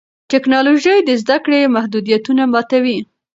ټیکنالوژي د زده کړې محدودیتونه ماتوي.